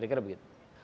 atau setidaknya non aktif